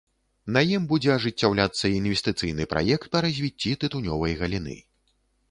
На ім будзе ажыццяўляцца інвестыцыйны праект па развіцці тытунёвай галіны.